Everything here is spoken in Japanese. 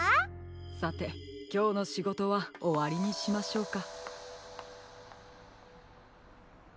・さてきょうのしごとはおわりにしましょうか。